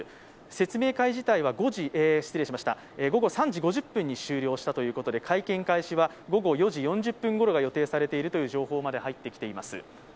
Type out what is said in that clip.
説明会自体は午後３時５０分に終了したということで会見開始は午後４時４０分ごろ予定されているという情報まで入ってきています。